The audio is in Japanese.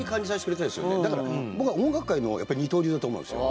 だから僕は音楽会の二刀流だと思うんですよ。